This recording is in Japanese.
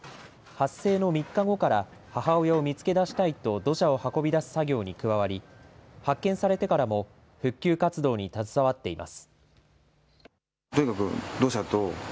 発生の３日後から母親を見つけ出したいと土砂を運び出す作業に加わり発見されてからも復旧活動に携わっています。